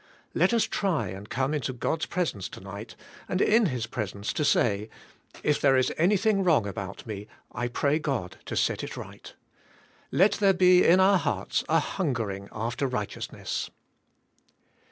Let us try and come into God's presence tonig ht, and in His presence to say, "If there is anything wrong about me I pray God to set it right." Let there be in our hearts a hungering after righteousness.